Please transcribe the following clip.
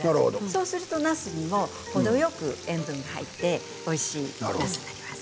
そうすると、なすにもほどよく塩分が入っておいしくなります。